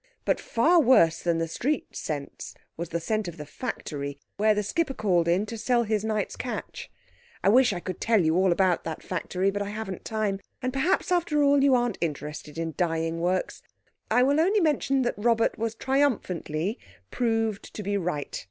But far worse than the street scents was the scent of the factory, where the skipper called in to sell his night's catch. I wish I could tell you all about that factory, but I haven't time, and perhaps after all you aren't interested in dyeing works. I will only mention that Robert was triumphantly proved to be right.